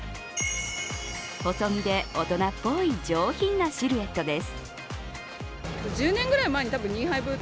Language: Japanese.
細身で大人っぽい上品なシルエットです。